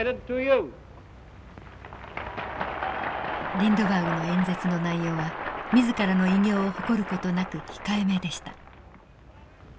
リンドバーグの演説の内容は自らの偉業を誇る事なく控えめでした。